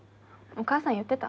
お母さん言ってた？